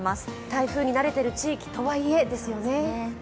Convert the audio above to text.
台風になれている地域とはいえ、ですよね。